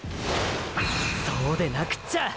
そうでなくっちゃ！！